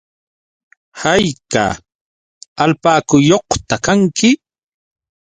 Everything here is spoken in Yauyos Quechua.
¿Hayka alpakayuqta kanki?